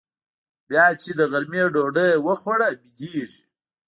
بيا چې د غرمې ډوډۍ يې وخوړه بيدېږي.